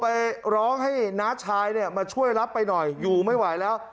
ไปร้องให้น้าชายเนี่ยมาช่วยรับไปหน่อยอยู่ไม่ไหวแล้ว